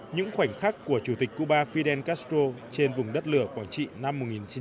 những khoảnh khắc của chủ tịch cuba fidel castro trên vùng đất lửa quảng trị năm một nghìn chín trăm bảy mươi